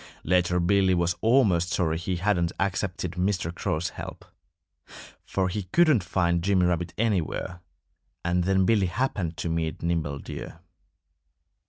Later Billy was almost sorry he hadn't accepted Mr. Crow's help. For he couldn't find Jimmy Rabbit anywhere. And then Billy happened to meet Nimble Deer.